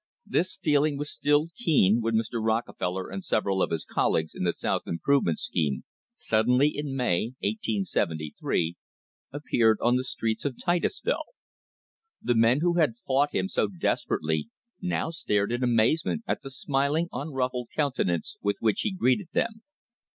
This feeling was still keen when Mr. Rockefeller and several of his colleagues in the South Improvement scheme suddenly, in May, 1873, appeared on the streets of Titusville. The men who had fought him so desperately now stared in amazement at the smiling, [ "M] "AN UNHOLY ALLIANCE" unruffled countenance with which he greeted them.